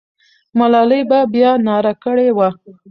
ملالۍ به بیا ناره کړې وه.